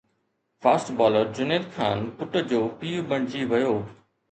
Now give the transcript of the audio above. fast bowler Junaid Khan پٽ جو پيءُ بڻجي ويو